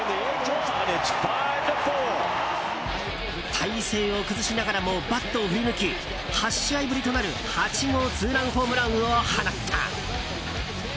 体勢を崩しながらもバットを振り抜き８試合ぶりとなる８号ツーランホームランを放った。